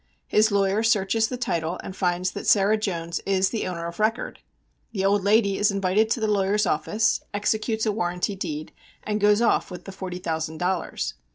His lawyer searches the title and finds that Sarah Jones is the owner of record. The old lady is invited to the lawyer's office, executes a warranty deed, and goes off with the forty thousand dollars.